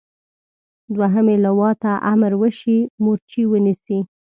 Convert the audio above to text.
دوهمې لواء ته امر وشي مورچې ونیسي.